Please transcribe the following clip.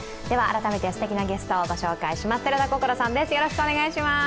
改めてすてきなゲストをご紹介します。